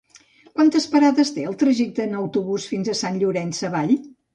Quantes parades té el trajecte en autobús fins a Sant Llorenç Savall?